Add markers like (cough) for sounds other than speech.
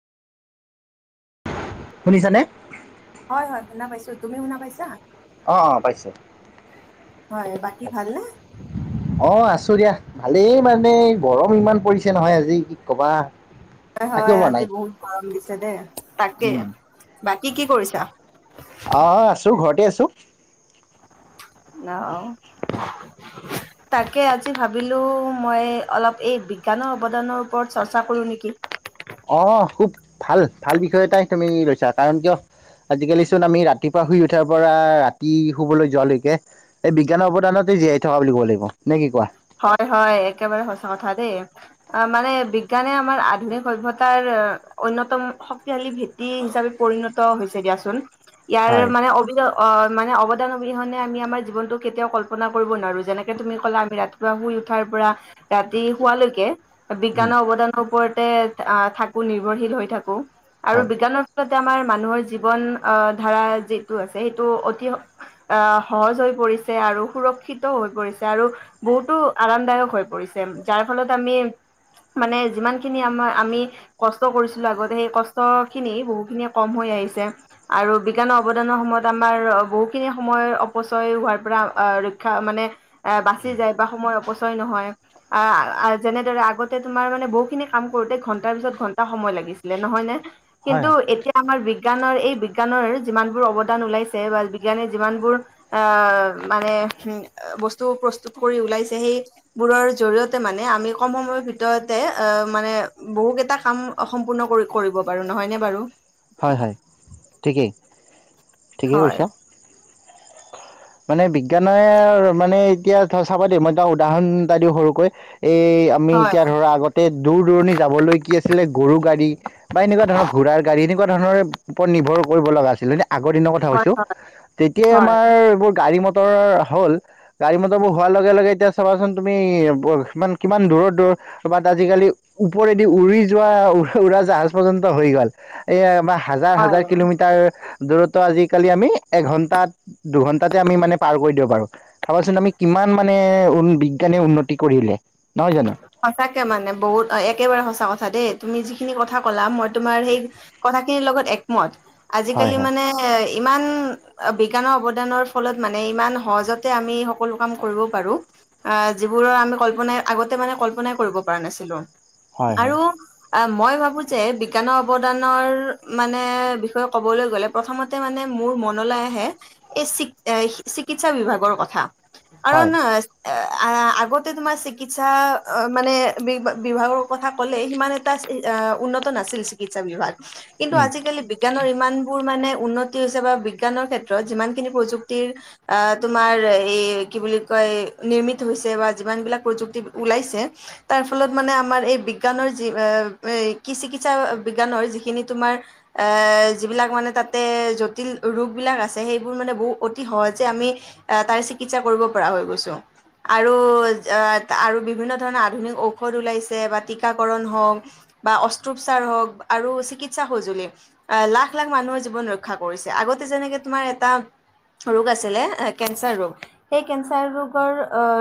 শুনিছানে? হয়, হয়। শুনা পাইছো। তুমি শুনা পাইছা? অ, অ পাইছোঁ। হয় বাকী ভালনে অ আছো দিয়া। ভালেই মানে গৰম ইমান পৰিছে নহয়, আজি কি কবা। হয়, থাকিব হয় পৰা আজি নাই বহুত গৰম দিছে দেই। তাকে উম বাকী কি কৰিছা? অঁ' আছোঁ, ঘৰতে আছোঁ। অ। অহ তাকে আজি ভাবিলোঁ মই অলপ এই বিজ্ঞানৰ অৱদানৰ ওপৰত চৰ্চা কৰোঁ নেকি? অঁ খুব ভাল ভাল বিষয় এটাই তুমি লৈছা, কাৰণ কিয় আজিকালি চোন আমি ৰাতিপুৱা শুই উঠাৰ পৰা ৰাতি শুবলৈ যোৱালৈকে এই বিজ্ঞানৰ অৱদানতে জীয়াই থকা বুলি ক'ব লাগিব। নে কি কোৱা? হয়, হয়। একেবাৰে সঁচা কথা দেই। অ মানে বিজ্ঞানে আমাৰ আধুনিক সভ্যতাৰ অন্যতম শক্তিশালী ভেঁটি হিচাপে পৰিণত হৈছে দিয়াচোন। ইয়াৰ হয় মানে অভিন অ মানে অৱদান অবিহনে আমি আমাৰ জীৱনতো কেতিয়াও কল্পনা কৰিব নোৱাৰো। যেনেকে তুমি ক'লা আমি ৰা শুই উঠাৰ পৰা ৰাতি শোৱালৈকে উম বিজ্ঞানৰ অৱদানৰ ওপৰত তে আ থাকো, নিৰ্ভৰশীল হৈ থাকো। আৰু হয় বিজ্ঞানৰ ফলত আমাৰ মানুহৰ জীৱন আহ ধাৰা যিটো আছে সেইটো অতি আহ সহজ হৈ পৰিছে আৰু সুৰক্ষিতো হৈ পৰিছে আৰু বহুতো আৰামদায়ক হৈ পৰিছে। যাৰ ফলত আমি মানে যিমান খিনি আমাৰ আমি কষ্ট কৰিছিলো আগতে, সেই কষ্ট খিনি বহুখিনি কম হৈ আহিছে আৰু বিজ্ঞানৰ অৱদানৰ সময়ত আমাৰ বহুখিনি সময় অপচয় হোৱাৰ পৰা আ ৰক্ষা মানে বাচি যায় বা সময় অপচ চয় নহয়। আহ যেনেদৰে আগতে তোমাৰ মানে বহুত খিনি কাম কৰোতে ঘন্টাৰ পিছত ঘন্টা সময় লাগি ছিলে নহয়নে? হয় কিন্তু হয় এতিয়া আমাৰ বিগ বিজ্ঞানৰ এই বিজ্ঞানৰ যিমানবোৰ অৱদান ওলাইছে বা বিজ্ঞানে যিমানবোৰ আহ মানে অ বস্তু প্ৰচ টোত কৰি ওলাইছে, সেইবোৰৰ জৰিয়তে মানে আমি কম সময়ৰ ভিতৰতে অ মানে বহ বহু কেইটা কাম সম্পূৰ্ণ কৰিব পাৰোঁ। নহয়নে বাৰু? হয়, হয় ঠিকেই, ঠিকেই হয় কৈছা। (inaudible) মানে বিজ্ঞানৰ মানে এতিয়া ধৰা চাব দেই মই তাক উদাহৰণ এটা দিওঁ সৰুকৈ। এই আমি এতিয়া ধৰা আগতে দূৰ দূৰণি যাবলৈ কি আছিলে গৰু গাড়ী বা এনেকুৱা ধৰণৰ ঘোঁৰাৰ গাড়ী এনেকুৱা ধৰণৰ ওপৰত নিৰ্ভৰ কৰিব লগা আছিলে। আগৰ দিনৰ কথা কৈছোঁ। তেতিয়াই হয়। আমাৰ এইবোৰ গাড়ী মট মটৰ হ'ল। গাড়ী মটৰ বোৰ হোৱাৰ লগে লগে এতিয়া চাবাচোন তুমি কিমান কিমান দূৰৰ দূৰৰ কবাত আজিকালি ওপৰেদি উৰি যোৱা উৰা জাহাজ পৰ্যন্ত হৈ গ'ল। এই আমাৰ হাজাৰ হাজাৰ হয় কিলোমিটাৰ দূৰত্ব আজি কালি আমি এঘন্টা, দুঘন্টাতে আমি মানে পাৰ কৰি দিব পাৰোঁ। ভাবাচোন আমি কিমান কিমান মানে উ বিজ্ঞানে উন্নতি কৰিলে। নহয় জানো সঁচাকে মানে বহুত একেবাৰে সঁচা কথা দেই। তুমি যিখিনি কথা ক'লা মই তোমাৰ সেই কথাখিনিৰ লগত একমত। হয় আজিকালি হয় মানে ইমান বিজ্ঞানৰ অৱদানৰ ফলত মানে ইমান সহজতে আমি সকলো কাম কৰিব পাৰোঁ। আ যিবোৰৰ আমি কল্পনাই আগতে মানে কল্পনাই কৰিব পৰা নাছিলোঁ। হয় আৰু হয় অ মই ভাবোঁ যে বিজ্ঞানৰ অৱদানৰ মানে বিষয়ে ক'বলৈ গ'লে প্ৰথমতে মানে মোৰ মনলৈ আহে এই চিক চিকিৎসা বিভাগৰ কথা ৷ কাৰণ হয় আগতে তোমাৰ চিকি- চিকিৎসা মানে বি বিভাগৰ কথা ক'লে সিমান এটা উন্নত নাছিল চিকিৎসা বিভাগ। কিন্তু উম আজিকালি বিজ্ঞানৰ ইমান বোৰ মানে উন্নতি হৈছে বা বিজ্ঞানৰ ক্ষেত্ৰত যিমান খিনি প্ৰযুক্তিৰ তোমাৰ এই কি বুলি কয়। এই নিৰ্মিত হৈছে বা যিমান বিলাক প্ৰযুক্ত ওলাইছে তাৰ ফলত মানে আমাৰ এই বিজ্ঞানৰ যি এ চিকিৎসা বিজ্ঞানৰ ধৰ যিখিনি তোমাৰ এ যিলাক মানে তাতে জটিল ৰোগ বিলাক আছে সেইবোৰ মানে বহু অতি সহজে আমি তাৰ চিকিৎসা কৰিব পৰা হৈ গৈছোঁ আৰু য আৰু বিভিন্ন ধৰণৰ আধুনিক ঔষধ ওলাইছে বা টীকাকৰণ হওঁক বা অস্ত্ৰোপচাৰ হওঁক। আৰু চিকিৎসা সঁজুলি লাখ লাখ মানুহৰ জীৱন ৰক্ষা কৰিছে আগতে যেনেকে তোমাৰ এটা ৰোগ আছিলে কেঞ্চাৰ ৰোগ সেই কেঞ্চাৰ ৰোগৰ অ